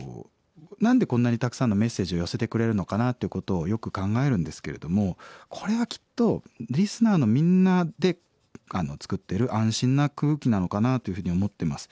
何でこんなにたくさんのメッセージを寄せてくれるのかなっていうことをよく考えるんですけれどもこれはきっとリスナーのみんなで作ってる安心な空気なのかなというふうに思ってます。